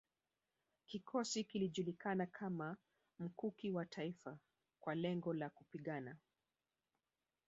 Kikosi kilijulikana kama Mkuki wa Taifa kwa lengo la kupigana